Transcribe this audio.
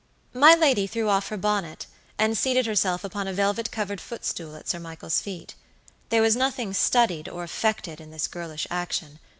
My lady threw off her bonnet, and seated herself upon a velvet covered footstool at Sir Michael's feet. There was nothing studied or affected in this girlish action.